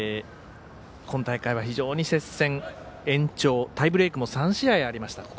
今大会は非常に接戦、延長タイブレークも３試合ありました